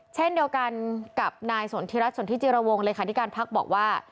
เช่นเดียวกันกับนายสนทิรัฐสนทิจิรวงเลขาธิการพักบอกว่า